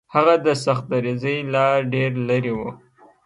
هغه د سختدریځۍ لا ډېر لرې و.